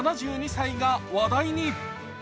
７２歳が話題に。